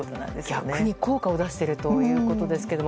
逆に効果を出しているということですけども。